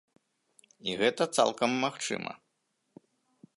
І гэта цалкам магчыма.